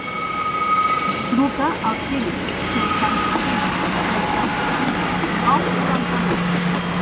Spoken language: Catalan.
Truca al sis, seixanta-cinc, seixanta-cinc, dinou, quaranta-dos.